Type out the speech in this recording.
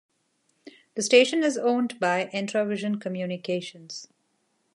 The station is owned by Entravision Communications.